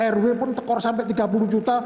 rw pun tekor sampai tiga puluh juta